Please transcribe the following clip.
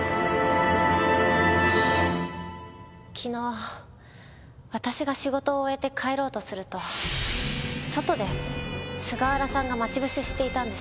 昨日私が仕事を終えて帰ろうとすると外で菅原さんが待ち伏せしていたんです。